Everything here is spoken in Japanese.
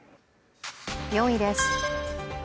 ４位です